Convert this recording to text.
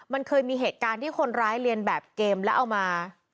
มันเคยมีเหตุการณ์ที่คนร้ายเรียนแบบเกมแล้วเอามา